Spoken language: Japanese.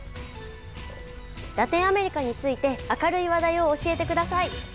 ラテンアメリカについて明るい話題を教えてください。